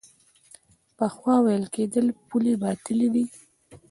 پخوا ویل کېدل پولې باطلې دي.